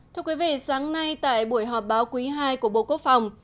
thưa quý vị sáng nay tại buổi họp báo quý ii của bộ quốc phòng